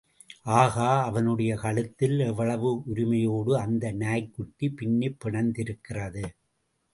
ஆஹா, அவனுடைய கழுத்தில் எவ்வளவு உரிமையோடு அந்த நாய்க்குட்டி பின்னிப் பிணைந்திருக்கிறது?